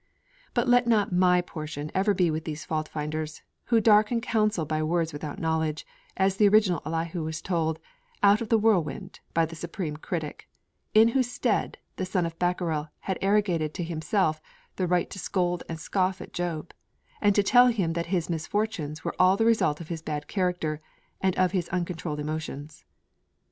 But let not my portion ever be with these fault finders, who 'darken counsel by words without knowledge,' as the original Elihu was told, 'out of the Whirlwind,' by the Supreme Critic; 'in whose stead' the son of Barachel had arrogated to himself the right to scold and scoff at Job; and to tell him that his misfortunes were all the result of his bad character and of his uncontrolled emotions.